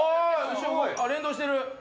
ああ連動してる。